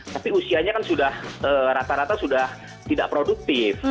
tapi usianya kan sudah rata rata sudah tidak produktif